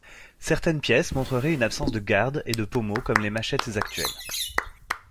Certaines pièces montreraient une absence de garde et de pommeau comme les machettes actuelles.